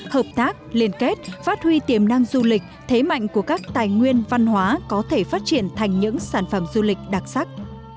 hợp tác liên kết phát huy tiềm năng du lịch thế mạnh của các tài nguyên văn hóa có thể phát triển thành những sản phẩm du lịch đặc sắc